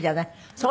そう。